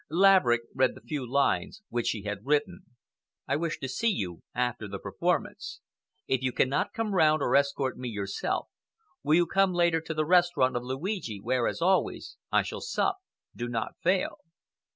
Laverick read the few lines which she had written. I wish to see you after the performance. If you cannot come round or escort me yourself, will you come later to the restaurant of Luigi, where, as always, I shall sup. Do not fail.